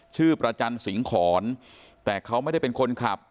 ประจันสิงหอนแต่เขาไม่ได้เป็นคนขับ